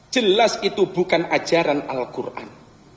jelas itu bukan ajaran al quran